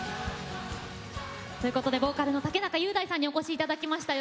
ボーカルの竹中雄大さんにお越しいただきました。